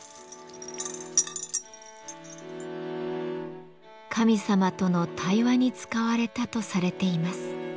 神様との対話に使われたとされています。